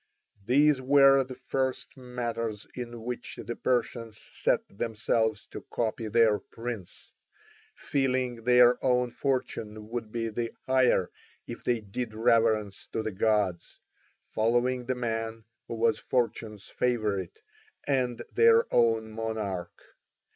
These were the first matters in which the Persians set themselves to copy their prince; feeling their own fortune would be the higher if they did reverence to the gods, following the man who was fortune's favourite and their own monarch.